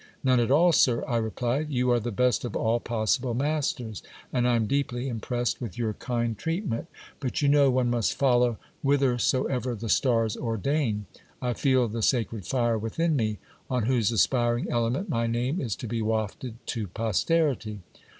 None at all, sir, I replied ; you are the best of all possible masters, and I am deeply impressed with your kind treatment ; but you know one must follow whithersoever the stars ordain. I feel the sacred fire within me, on whose aspiring element my name is to be wafted to posterity.